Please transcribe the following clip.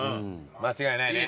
間違いないね。